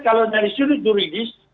kalau dari sudut juridis